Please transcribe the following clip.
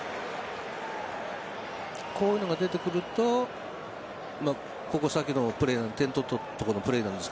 こういうのが出てくると先ほどの点取ったときのプレーですが